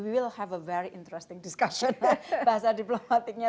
kita akan memiliki diskusi yang sangat menarik bahasa diplomatiknya